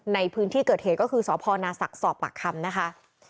ในพื้นที่เกิดเหตุก็คือสพนาศักดิ์สอบปากคำนะคะ